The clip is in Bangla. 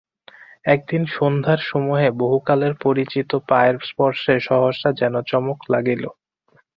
একদিন সন্ধ্যার সময়ে বহুকালের পরিচিত পায়ের স্পর্শে সহসা যেন চমক লাগিল।